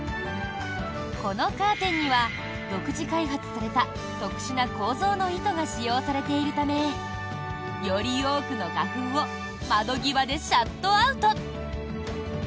このカーテンには独自開発された特殊な構造の糸が使用されているためより多くの花粉を窓際でシャットアウト。